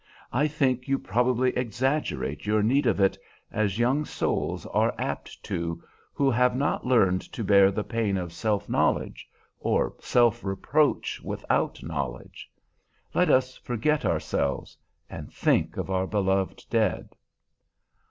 I think you probably exaggerate your need of it, as young souls are apt to who have not learned to bear the pain of self knowledge, or self reproach without knowledge. Let us forget ourselves, and think of our beloved dead."